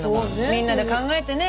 みんなで考えてね